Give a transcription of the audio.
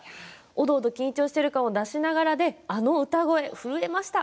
おどおど緊張している感を出しながらで、あの歌声で震えました。